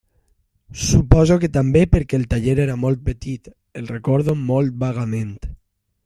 Suposo que també perquè el taller era molt petit —el recordo molt vagament.